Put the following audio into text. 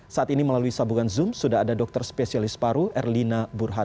saat ini melalui sambungan zoom sudah ada dokter spesialis paru erlina burhan